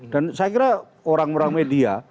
dan saya kira orang orang media